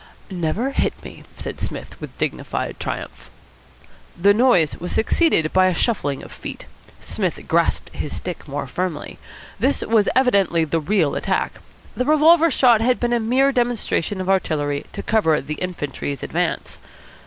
"Never hit me!" said Psmith with dignified triumph. The noise was succeeded by a shuffling of feet. Psmith grasped his stick more firmly. This was evidently the real attack. The revolver shot had been a mere demonstration of artillery to cover the infantry's advance.